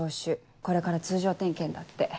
これから通常点検だって。